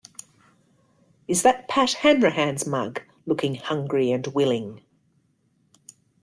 Is that Pat Hanrahan's mug looking hungry and willing.